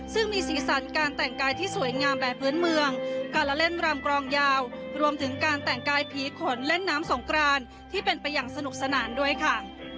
ซึ่งมีสีสันการแต่งกายที่สวยงามแบบพื้นเมืองการละเล่นรำกรองยาวรวมถึงการแต่งกายผีขนเล่นน้ำสงกรานที่เป็นไปอย่างสนุกสนานด้วยค่ะ